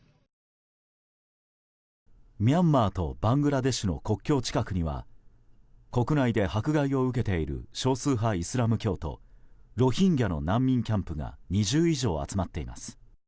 ミャンマーとバングラデシュの国境近くには国内で迫害を受けている少数派イスラム教徒ロヒンギャの難民キャンプが２０以上集まっています。